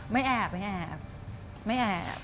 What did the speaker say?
ไม่แอบไม่แอบ